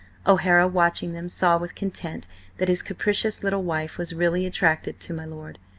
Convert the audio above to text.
O'Hara, watching them, saw with content that his capricious little wife was really attracted to my lord.